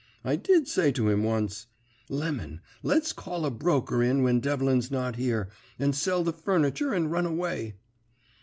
I did say to him once: "'Lemon, let's call a broker in when Devlin's not here, and sell the furniture, and run away.'